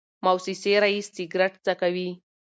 موسسې رییس سګرټ څکوي.